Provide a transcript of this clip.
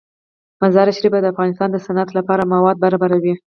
مزارشریف د افغانستان د صنعت لپاره مواد برابروي.